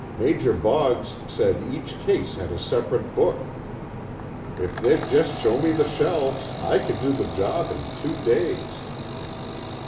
"Major Boggs said each case had a separate book. If they'd just show me the shelves, I could do the job in two days."